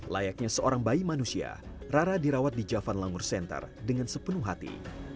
layaknya seorang bayi manusia rara dirawat di javan langur center dengan sepenuh hati